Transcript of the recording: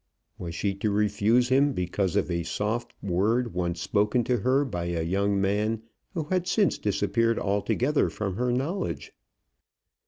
Was she to refuse him because of a soft word once spoken to her by a young man who had since disappeared altogether from her knowledge?